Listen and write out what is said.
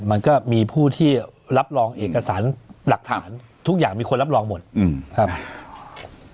มันก็มีผู้ที่รับรองเอกสารหลักฐานทุกอย่างมีคนรับรองหมดอืมครับ